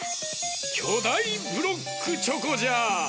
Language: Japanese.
きょだいブロックチョコじゃ！